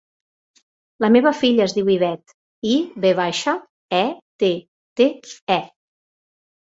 La meva filla es diu Ivette: i, ve baixa, e, te, te, e.